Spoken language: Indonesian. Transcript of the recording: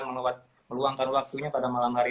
meluangkan waktunya pada malam hari